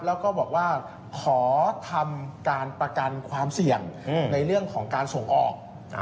แล้วก็บอกว่าขอทำการประกันความเสี่ยงในเรื่องของการส่งออก